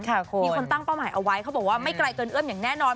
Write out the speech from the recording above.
มีคนตั้งเป้าหมายเอาไว้เขาบอกว่าไม่ไกลเกินเอื้อมอย่างแน่นอน